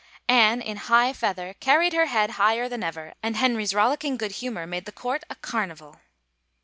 Anne, in high feather, carried her head higher than ever and Henry's rollicking good humor made the court a carnival.